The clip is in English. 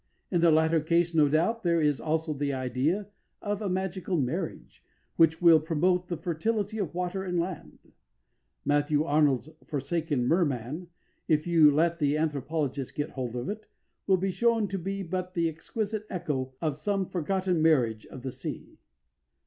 In the latter case, no doubt, there is also the idea of a magical marriage, which will promote the fertility of water and land. Matthew Arnold's Forsaken Merman, if you let the anthropologists get hold of it, will be shown to be but the exquisite echo of some forgotten marriage of the sea.